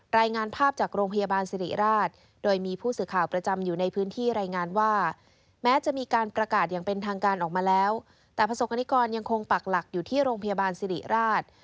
รายงานภาพจากโรงพยาบาลสิริราช